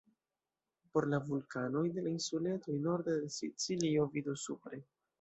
Por la vulkanoj de la insuletoj norde de Sicilio, vidu supre.